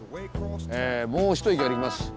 えもう一駅あります。